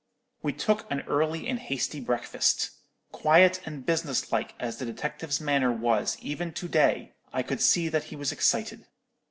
"We took an early and hasty breakfast. Quiet and business like as the detective's manner was even to day, I could see that he was excited.